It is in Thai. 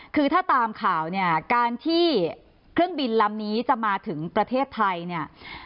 คือถ้าตามข่าวเนี่ยการที่เครื่องบินลำนี้จะมาถึงประเทศไทยเนี่ย